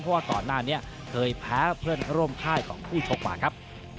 เพราะว่าก่อนหน้านี้เคยแพ้เพื่อนร่วมค่ายของผู้ชกมาครับ